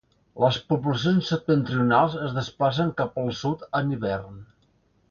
Les poblacions septentrionals es desplacen cap al sud en hivern.